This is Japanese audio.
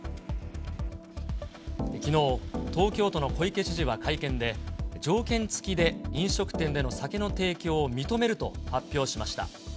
きのう、東京都の小池知事は会見で、条件つきで飲食店での酒の提供を認めると発表しました。